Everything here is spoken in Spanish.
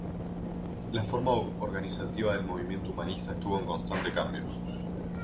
La forma organizativa del Movimiento Humanista estuvo en constante cambio.